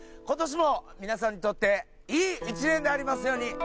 今年も皆さんにとっていい一年でありますように。